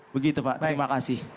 begitu pak terima kasih